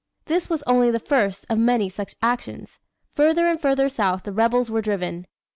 This was only the first of many such actions. Further and further south the rebels were driven.